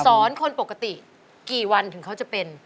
สอนคนปกติกี่วันถึงเขาจะเป็น